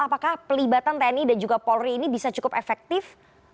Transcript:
apakah pelibatan tni dan juga polri ini bisa cukup efektif